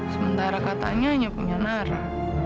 sementara katanya hanya punya nara